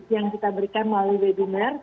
yang kita berikan melalui webinar